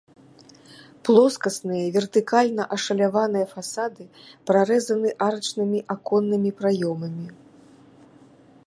Плоскасныя вертыкальна ашаляваныя фасады прарэзаны арачнымі аконнымі праёмамі.